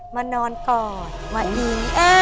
มานอนก่อนมาอีก